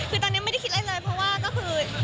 คือตอนนี้ไม่ได้คิดอะไรเลยเพราะว่าก็คือ